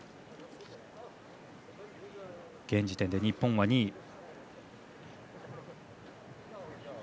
現時点で日本は２位。